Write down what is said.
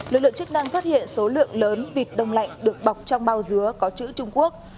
lực lượng chức năng phát hiện số lượng lớn vịt đông lạnh được bọc trong bao dứa có chữ trung quốc